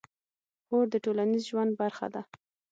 خور د ټولنیز ژوند برخه ده.